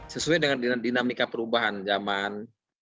sesuai dengan dinamika perubahan zaman